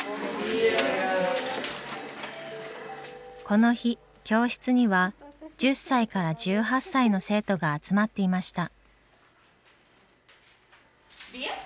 この日教室には１０歳から１８歳の生徒が集まっていました。